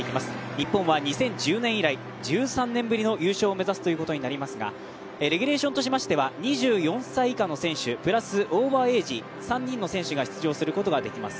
日本は２０１０年以来１３年ぶりの優勝を目指すということになりますがレギュレーションとしましては２４歳以下の選手プラスオーバーエージ３人の選手が出場することができます。